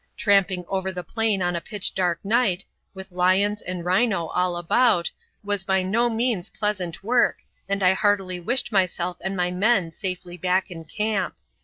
Tramping over the plain on a pitch dark night, with lions and rhino all about, was by no means pleasant work and I heartily wished myself and my men safely back in camp.